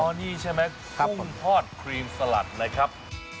อันนี้ใช่ไหมกุ้งทอดครีมสลัดเลยครับ